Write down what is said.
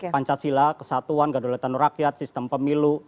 pancasila kesatuan gadulatan rakyat sistem pemilu